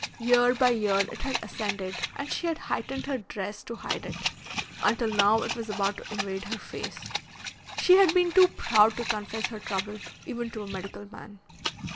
Year by year it had ascended and she had heightened her dress to hide it, until now it was about to invade her face. She had been too proud to confess her trouble, even to a medical man."